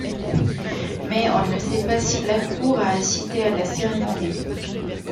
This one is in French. Mais on ne sait pas si la cour a assisté à la cérémonie.